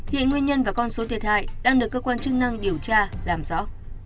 hiện nguyên nhân và con số thiệt hại đang được cơ quan chức năng điều tra làm rõ